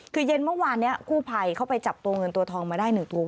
คือเย็นเมื่อวานนี้กู้ภัยเข้าไปจับตัวเงินตัวทองมาได้๑ตัว